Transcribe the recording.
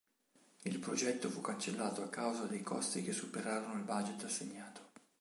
Il progetto fu cancellato a causa dei costi che superarono il budget assegnato.